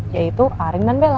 yaitu arin dan bella